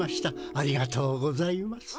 ありがとうございます。